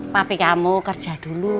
pape kamu kerja dulu